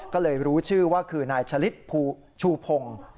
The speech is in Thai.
ก็เลยรู้ชื่อว่าคือนายชะลิดชูพงศ์